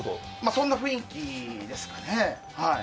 そんな雰囲気ですかね。